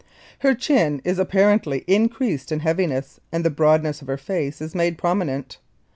Her chin is apparently increased in heaviness and the broadness of her face is made prominent.